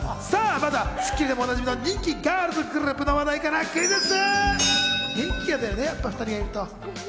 まずは『スッキリ』でもおなじみの人気ガールズグループの話題から、クイズッス！